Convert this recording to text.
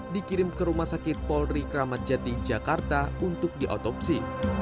dikirim ke rumah sakit polri kramat jati jakarta untuk diotopsi